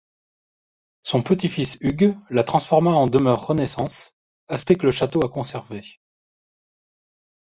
Son petit-fils Hugues la transforma en demeure Renaissance, aspect que le château a conservé.